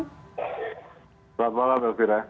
selamat malam pak fira